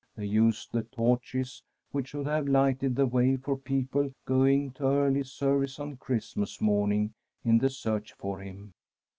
They used the torches which should have lighted the way for people going to early service on Christmas morn ing in the search for him.